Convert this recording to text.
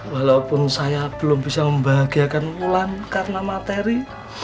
walaupun saya belum bisa membahagiakan ulang karena materi